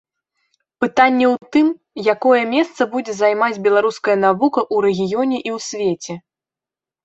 Пытанне ў тым, якое месца будзе займаць беларуская навука ў рэгіёне і ў свеце.